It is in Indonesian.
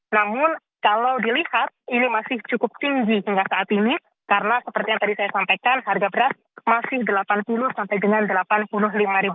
namun kalau dilihat ini masih cukup tinggi hingga saat ini karena seperti yang tadi saya sampaikan harga beras masih rp delapan puluh sampai dengan rp delapan puluh lima